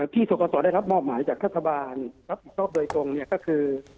ที่กรกตได้รับมอบหมายจากรัฐบาลรับผิดชอบโดยตรงก็คือ